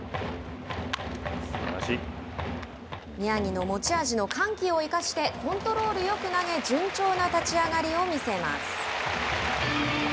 宮城の持ち味の緩急を生かしてコントロールよく投げ順調な立ち上がりを見せます。